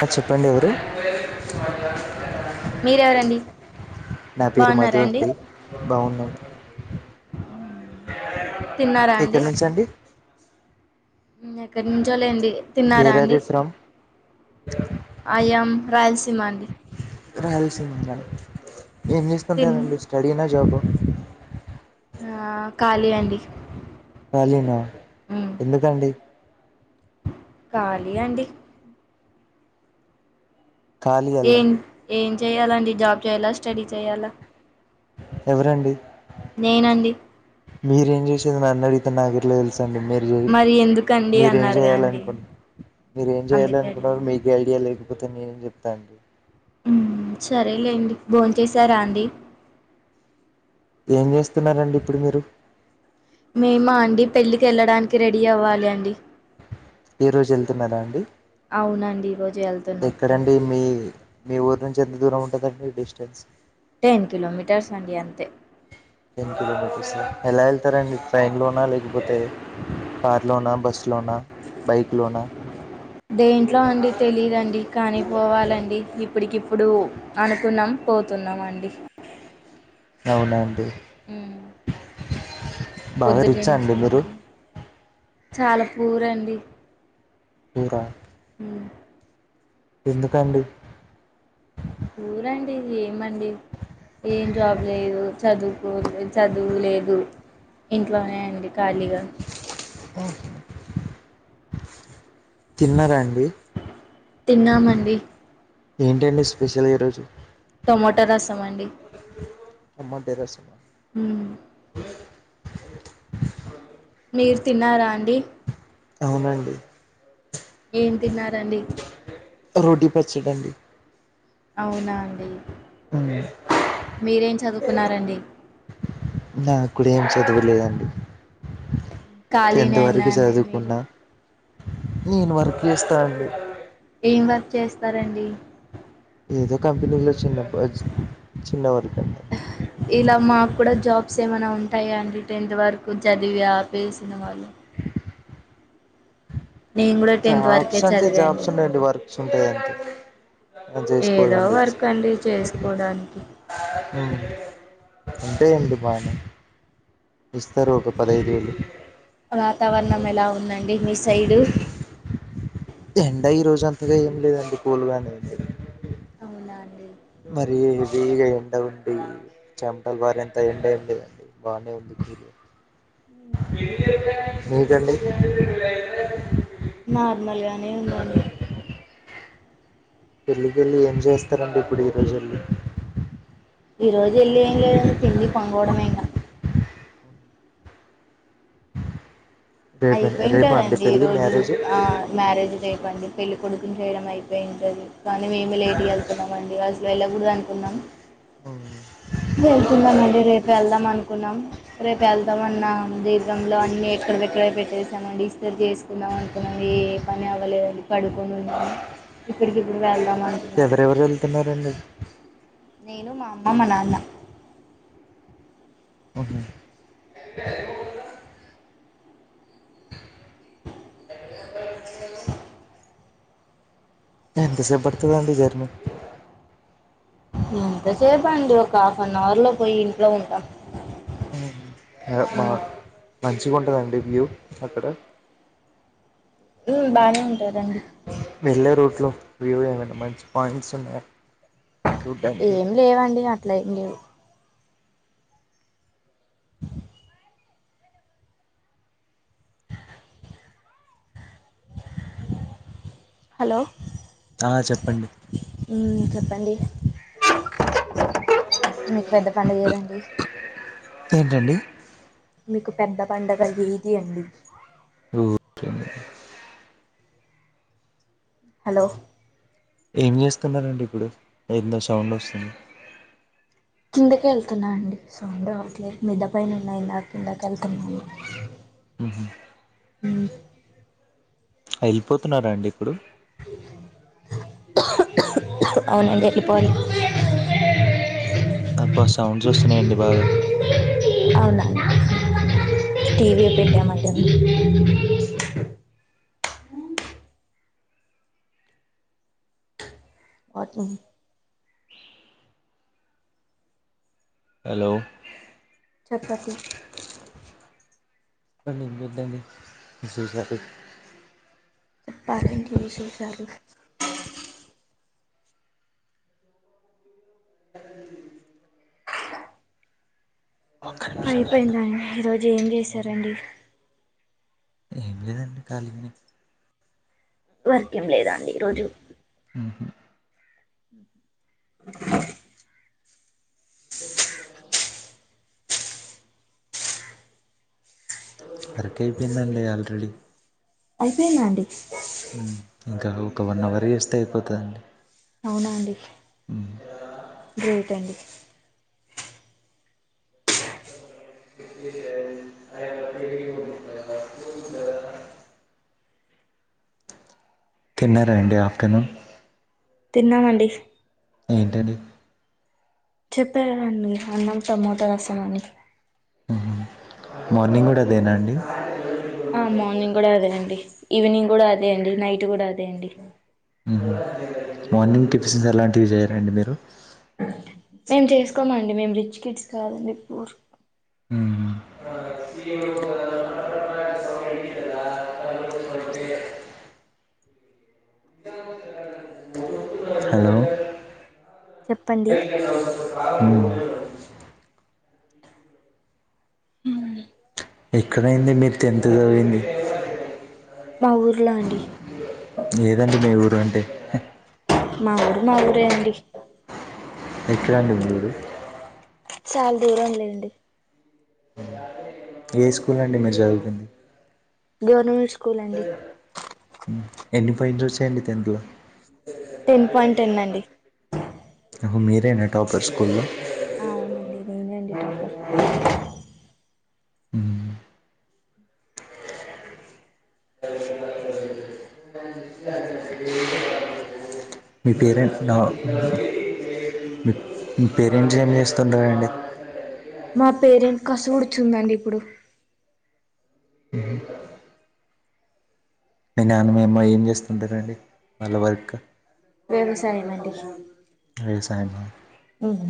ఆ, చెప్పండి ఎవరు మీరెవరండి నా పేరు మధు అండి బాగున్నారా తిన్నారా అండి ఎక్కడి నుంచండి ఎక్కడి నుంచోలేండి తిన్నారా వేర్ ఆర్ అండి యూ ఫ్రమ్ ఆయాం రాయలసీమాండి రాయలసీమా నా తిన్ ఏంచేస్తుంటారండి స్టడీ నా జాబ్ అ ఆ ఖాళీ అండి కళీనా ఉమ్ ఎందుకండి ఖాళీ అండి ఖాళీ అల్లా ఏం ఏం చెయాలండి జాబ్ చేయ్యాలా స్టడీ చేయాలా ఎవరండి నేనండి మీరేం చేసేదో నన్ను అడిగితే నాకు ఎట్లా తెలుసండి మీర్ మరి ఎందుకండి మీరేం అన్నారుగా అండి చేయ్యాలనుకున్న మీరేమ్ ఏం చేయ్యాలి అందుకే అనుకున్న అడిగాను మీకె ఐడియా లేదు కాకపోతే నేను చెప్తా అండి సరేలేండి బోన్ చేశారా అండీ ఏం చేస్తున్నారండి ఇప్పుడు మీరు మేమ అండి పెళ్ళికి వెళ్ళడానికి రెడీ అవ్వాలి అండి ఈ రోజు ఎళ్తున్నారా అండి అవునండి ఈ రోజు ఎక్కడండి మీ మీ ఊరు నుంచి ఎంత దూరం ఉంటదండి డిస్టెన్స్ టెన్ కిలోమీటర్స్ అండి అంతే టెన్ కిలోమీటర్స్ ఎలా ఎళ్తారండి ట్రైన్ లో ఉన్నా లేకపోతే కార్ లోనా బస్సు లోనా బైక్ లోనా దేంట్లో అండి తెలిదండి కాని పోవాలండి ఇప్పడికిప్పు ఇప్పుడు అనుకున్నాం పోతున్నామండి అవున అండి ఉం బాగా రిచ్చా అండి పొద్దుటినుంచి మీరు చాలా పూరండి ఊరా ఉ ఎందుకండి ఊరండి ఏమండి ఏం జాబ్ లేదు చదువుకో చదువులేదు ఇంట్లోనే అండి ఖాళీగా ఆఫ్ తిన్నారండి తిన్నామండి ఏంటండి స్పెషల్ ఈరోజు టమోటో రసం అండి టమాటె రసమ ఉం మీరు తిన్నారా అండి అవునండి ఏం తిన్నారండి రోటీ పచ్చేడండి అవునా అండి మీరేం చదువుకున్నరండి నాకుడ ఏం చదువలేదండి ఖాళీనే టెన్త్ అయినా వరకె అండి మీరు చదువుకున్నా నేను వర్క్ చేస్తానండి ఏం వర్క్ చేస్తారండి ఏదో కంపెనీలో చిన్న ప- చిన్న వర్క్ అండి ఇలా మాకు కూడా జాబ్స్ ఏమై ఉం టాయా అండి టెన్త్ వరకు చదివి ఆపేసిన వాళ్ళు నేను కూడా టెన్త్ వరకే జాబ్స్ అంటే చదివండి జాబ్స్ ఉన్నాయండి వర్క్స్ చేయాలి ఏదో చేసుకోవాలండి వర్క్ అండి చేసుకోవడానికి ఉంటేయండి బానే ఇస్తారు ఒక పదైదు వేయిలు వాతావరణం ఎలా ఉందండి మీ సైడు ఎండ ఈ రోజు అంతగా ఏం లేదండి కూలుగానే ఉన్నది అవునా అండి మరి ఇది ఎండ గొట్టి చెమటలు పారేంతా ఎండ ఏంలేదండి బానే ఉంది మీకండి నార్మల్గానే ఉందండి. పెళ్ళికి వెళ్ళి ఏం చేస్తారండి ఇప్పుడు ఈ రోజెల్లి ఈ రోజు వెళ్ళ ఏం లేదని తిండి పంకోడమే ఇంగ రేపే రేపా అండి అయిపోయింటదండి. ఈ పెళ్ళి రోజు మ్యారేజ్ ఆ మ్యారేజ్ రేప్ అండి పెళ్ళికొడుకు కు చేయడం అయిపోయింటది. కానీ మేమే లేట్గా వెళ్తున్నాం అండి. అసలు వెళ్ళకూడదు అనుకున్నాం. వెళ్తున్నాం అండి రేపు వెళ్దాం అను కున్నాం రేపు వెళ్దాం అన్నా దీర్ఘంలో అన్ని ఎక్కడ డ్రై పెట్టేసామండి ఇస్తరు చేసుకుందాం అనుకున్నాము. ఏ పని అవ్వలేదు. పడుకొని ఉన్నాము. ఇప్పుడుకిప్పుడు వాళ్ళు ఎవరెవరు వెళ్తున్నారండి. నేను మా అమ్మ మా నాన్న ఓకే ఎంతసేబడుతది అండి జర్నీ ఎంతసేప అండి. ఒక హాఫ్ అన్ అవర్ లో పోయి ఇంట్లో ఉంటాం. ఆ మంచిగ ఉంటదండి వ్యూ అక్కడ ఉ బానే ఉంటారండి. వెళ్ళే రూట్లు వ్యూ ఏమైనా మంచి పాయింట్స్ ఉన్నయ ఏమి లేవండి అట్ల ఏం లేవు హలో ఆ చెప్పండి ఉమ్ చెప్పండి మీకు పెద్ద పండుగ ఏదండి ఏంటండి మీకు పెద్ద పండగ ఏది అండి. ఉ హలో ఏం చేస్తున్నారండి ఇప్పుడు ఏంద సౌండ్ వస్తుంది. కిందక వెళ్తున్నా అండి సౌండ్ అవట్లేదు. మిద్ద పైన ఉన్నాయి నా కిందకి వెళ్తున్నాండి. హ్మ్ ఉమ్ వెళ్ళిపోతున్నారా అండి ఇప్పుడు అవునండి వెళ్లిపో అబ్బా సౌండ్స్ వస్తున్నాయండి బాగా అవునా టీవీ పెట్టాం అండి అందుకే వాటిని హలో చెప్పటి [unintelligible] [unintelligible] విశేషాలు ఒక్క నిమిషం లైన్లో అయిపోయిందా అండి ఈరోజు ఏం చేసారండి ఖాళీనే వర్క్ ఎమ్ లేదా ఈరోజు ఉమ్ వర్క్ అయిపోయిందండి ఆల్రెడీ అయిపొయింద అండి ఇంకా ఒక వన్ అవర్ చేస్తే అయిపోతుందిండి అవునా అండి గ్రేట్ అండి తిన్నారా అండి ఆఫ్టర్నూన్ తిన్నామండి ఏంటది చెప్పాకదండీ అన్నం టమాటా రసమనీ మార్నింగ్ కూడా అదేనా అండి ఆ మార్నింగ్ కూడా అదే అండి ఈవినింగ్ కూడా అదే అండి నైట్ కూడా అదే అండి మార్నింగ్ టిఫిన్సలాంటివి చేయరా అండి మీరు డి మేము రిచ్ కిడ్స్ కాదండి పూర్ ఉమ్మ్ హలో చెప్పండి ఉమ్ ఉమ్ ఎక్కడైంది మీరు టెన్త్ చదివింది మా ఊర్లో అండి ఏదండి మీ ఊరు అంటే మా ఊరు మా ఊరే అండి ఎక్కడండి మీది చాల దూరం లేండి ఏ స్కూల్ అండి మీరు చదువుకుంది గవర్నమెంట్ స్కూల్ అండి ఎన్ని పాయింట్స్ ఒచ్చాయండి టెన్త్ లో టెన్ పాయింట్ టెన్ అండి హొ మీరేనా టాపర్ స్కూల్లో అవునండి నేనే నండి టాపర్ మ్మ్ నీ మీ పేరేంటో అన్నావ్ మీ మీ పేరెంట్స్ ఎమ్ చేస్తుంటారండి మా పేరెంట్ కసిగుర్చుందండి ఇప్పుడు మ్మ్ మీ నాన్నమ్మ అమ్మ ఏం చేస్తుంటారండి వాళ్ళ వర్క్ వ్యవసాయం అండి వ్యవసాయమా హమ్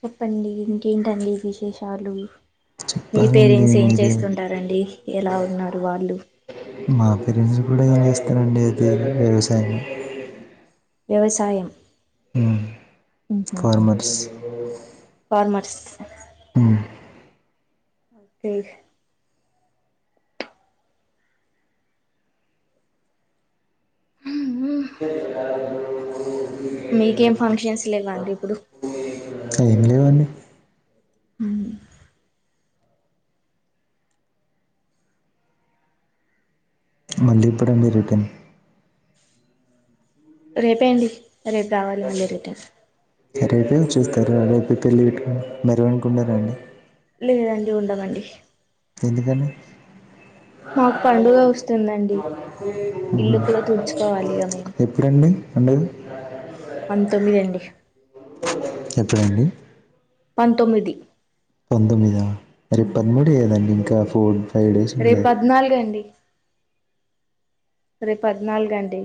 చెప్పండి ఇంకేంటండి విశేషాలు మీ చెప్పాలండి పేరెంట్స్ ఎమ్ మీరే చేస్తుంటారండి ఎలా ఉన్నారు వాళ్ళు మా పేరెంట్స్ కూడా ఎమ్ చేస్తరండి అదే వ్యవసాయం వ్యవసాయం ఉమ్ మ్ ఫార్మర్స్ ఫార్మర్స్ ఉమ్ ఏ ఉమ్మ్ మీకేం ఫంక్షన్స్ లేవా అండి ఇప్పుడు ఏం లేవండి ఉమ్ మళ్లీ ఎప్పుడు అండి రిటర్న్ రేపే అండి రేపు రావాలి మళ్ళీ రిటర్న్ రేపే ఒచ్చేస్తారా రేపే పెళ్ళి పెట్టుకొని భారత్ వరకు ఉండరా అండి లేదండి ఉండమండి ఎందుకని మాక్ పండుగ వస్తుందండి ఇల్లు కూడా తుడుచుకోవాలిగా మేము అండి పంతొమ్మిది అండి ఎప్పుడు అండి పంతొమ్మిది. పంతొమ్మిదా రేప్ పదమూడే కదండి ఇంకా ఫోర్. ఫైవ్ డేస్ ఉంది కదా రేపద్నాలుగండి రేపద్నాలుగండి.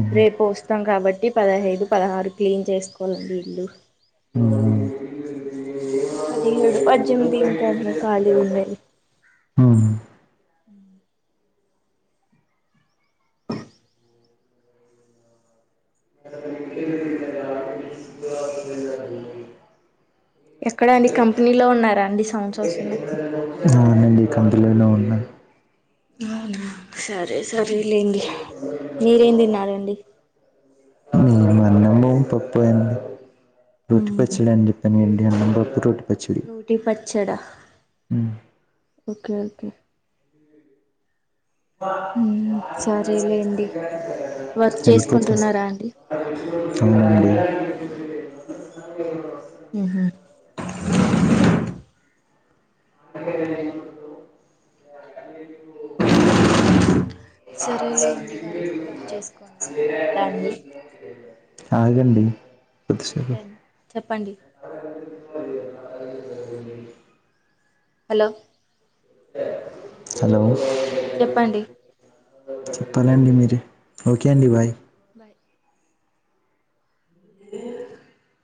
ఉహు రేపు వస్తాం కాబట్టి పదహైదు పదహారు క్లీన్ చేసుకోవాలండి ఇల్లు. హూ పదిహేడు పజ్జెంమ్ది ఇంకెన్ని ఖాళీ ఉన్నాయి మ్మ్ ఎక్కడ అండి కంపినీలో ఉన్నారాండి సౌండ్స్ వస్సున్నాయ్ కంపెనిలో ఉన్నా. అవునా సరే సరే లేండి మీరేం తిన్నారండి. అవునా. రోటీ పచ్చడండి పన్నెండేండ్ల లోపు రోట్. రోటి పచ్చడా ఉమ్. ఓకే. సరేలేండి వర్క్ ఎల్లి పోతున్న. చేసుకుంటున్నారా అండి అవునండి. ఉహు. మందెక్కైన గుడ్లూ. సరేలేండి అస్సలేం జరిం మరి వర్క్ జరిగిందో చేసుకోండి అండి, ఉంటా అండి తెల్వది. ఆగండి. కొద్దిసేపు ఏంటండి చెప్పండి. హలో. హలో. చెప్పండి. చెప్పాలండి మీరే ఓకే అండి బాయ్. బాయ్.